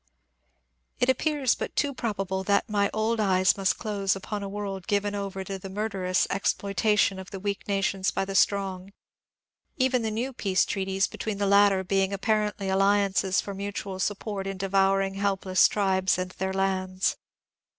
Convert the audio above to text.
It appears but too probable that my old eyes must close upon a world given over to the murderous exploitation of the weak nations by the strong, — even the new peace treaties between the latter being apparently alliances for mutual sup port in devouring helpless tribes and their lands.